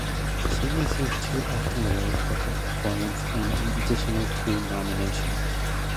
She received two acting awards for her performance, and an additional two nominations.